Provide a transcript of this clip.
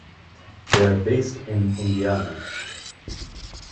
They are based in Indiana.